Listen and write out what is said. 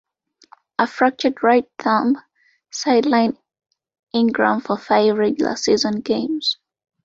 A fractured right thumb sidelined Ingram for five regular-season games.